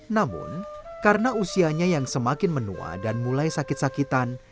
namun karena usianya yang semakin menua dan mulai sakit sakitan